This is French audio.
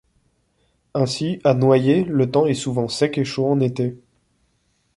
Ainsi, à Noyers le temps est souvent sec et chaud en été.